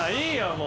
もう。